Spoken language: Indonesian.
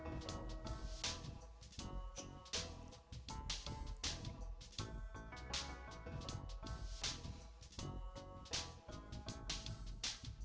terus kakak ingin berusaha mengerti kun tousi dalam su jubah